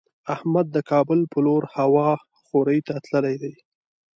احمد د کابل په لور هوا خورۍ ته تللی دی.